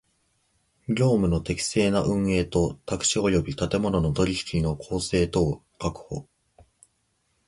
業務の適正な運営と宅地及び建物の取引の公正とを確保